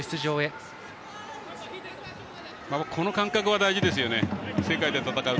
この感覚は大事ですよね。